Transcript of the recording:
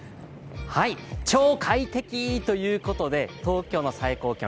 チョー快適！ということで東京の最高気温、